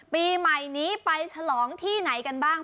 ปีใหม่นี้ไปฉลองที่ไหนกันบ้าง